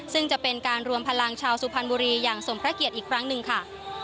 ซึ่งจะเป็นการรวมพลังชาวสุพรรณบุรีอย่างสมพระเกียรติอีกครั้งหนึ่งค่ะ